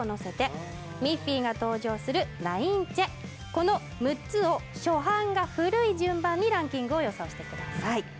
この６つを初版が古い順番にランキングを予想してください